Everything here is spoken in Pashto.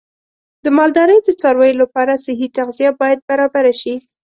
د مالدارۍ د څارویو لپاره صحي تغذیه باید برابر شي.